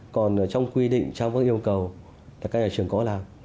còn trong quy định trong các yêu cầu là các nhà trường có làm